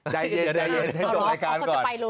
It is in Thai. ใจเย็นให้ต่อรายการก่อน